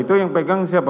itu yang pegang siapa